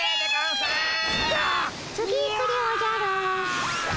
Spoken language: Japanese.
次行くでおじゃる。